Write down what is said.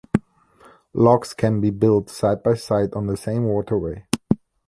Locks can be built side by side on the same waterway.